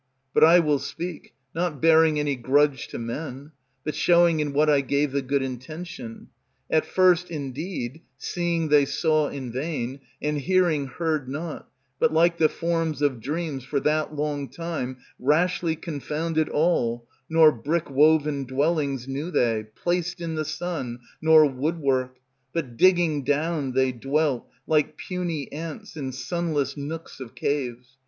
But I will speak, not bearing any grudge to men, But showing in what I gave the good intention; At first, indeed, seeing they saw in vain, And hearing heard not; but like the forms Of dreams, for that long time, rashly confounded All, nor brick woven dwellings Knew they, placed in the sun, nor woodwork; But digging down they dwelt, like puny Ants, in sunless nooks of caves.